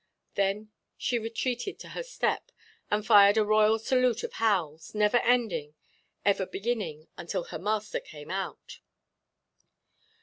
Then she retreated to her step, and fired a royal salute of howls, never ending, ever beginning, until her master came out.